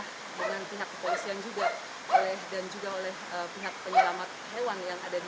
dengan pihak kepolisian juga dan juga oleh pihak penyelamat hewan yang ada di